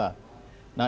nah ini lampu merah